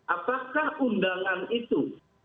apakah undangan itu